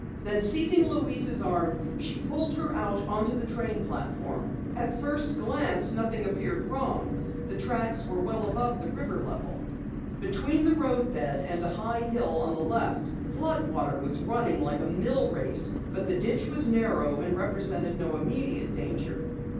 Then seizing Louise's arm, she pulled her out on the train platform. At first glance nothing appeared wrong. The tracks were well above the river level. Between the road bed and a high hill on the left, flood water was running like a mill race, but the ditch was narrow and represented no immediate danger.